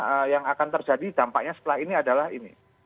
nah yang akan terjadi dampaknya setelah ini adalah ini